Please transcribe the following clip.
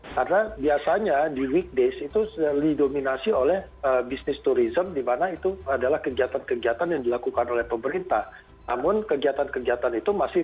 karena biasanya di weekdays itu didominasi oleh bisnis turisme dimana itu adalah kegiatan kegiatan yang dilakukan oleh pemerintah